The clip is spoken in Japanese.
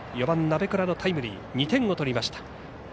４番、鍋倉のタイムリー２点を取りました。